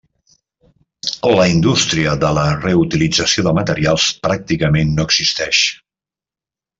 La indústria de la reutilització de materials pràcticament no existeix.